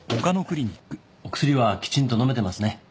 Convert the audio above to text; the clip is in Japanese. お薬はきちんと飲めてますね。